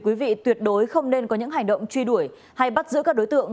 quý vị tuyệt đối không nên có những hành động truy đuổi hay bắt giữ các đối tượng